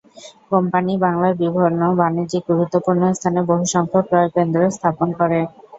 Company বাংলার বিভিন্ন বাণিজ্যিক গুরুত্বপূর্ণ স্থানে বহুসংখ্যক ক্রয়কেন্দ্র স্থাপন করে।